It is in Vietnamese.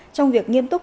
trong việc nghiêm túc